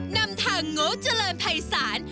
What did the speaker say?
นำทางโง่เจริญภัยศาล